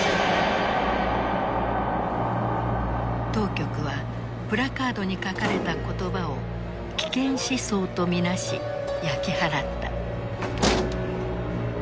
当局はプラカードに書かれた言葉を危険思想と見なし焼き払った。